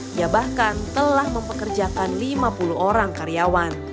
dia bahkan telah mempekerjakan lima puluh orang karyawan